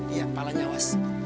iya kepala nyawas